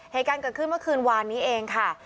เหตุการณ์เกิดขึ้นเมื่อคืนวานนี้เองค่ะ